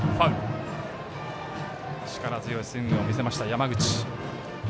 力強いスイングを見せました、山口。